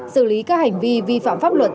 xử lý các hành vi vi phạm pháp luật